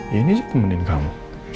ya ini sih kemudian kamu